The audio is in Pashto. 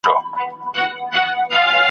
څرېدی به له سهاره تر ماښامه ,